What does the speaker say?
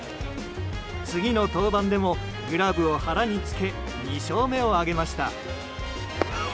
次の登板でもグラブを腹につけ２勝目を挙げました。